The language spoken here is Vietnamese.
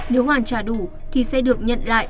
nếu hoàn trả đủ thì sẽ được nhận lại